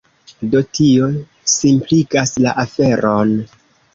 Do tio simpligas la aferon.